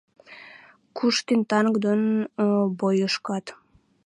Куштен, танк дон бойышкат!..